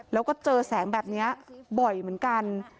แล้วก็เจอแสงแบบนี้บ่อยเหมือนกัน